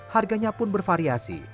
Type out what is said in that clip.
harganya pun bervariasi